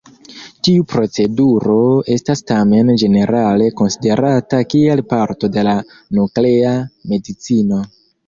Tiu proceduro estas tamen ĝenerale konsiderata kiel parto de la Nuklea Medicino.